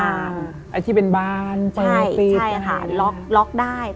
อันที่เป็นบานประตูปิดใช่ล็อกได้